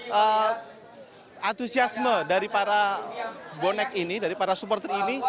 karena antusiasme dari para bonek ini dari para supporter ini